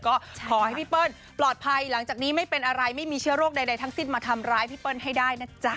ก็ขอให้พี่เปิ้ลปลอดภัยหลังจากนี้ไม่เป็นอะไรไม่มีเชื้อโรคใดทั้งสิ้นมาทำร้ายพี่เปิ้ลให้ได้นะจ๊ะ